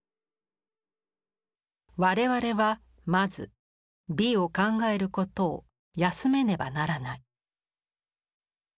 「吾々は先づ美を考へることを休めねばならない」。